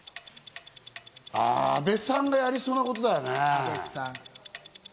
阿部さんがやりそうなことだよね？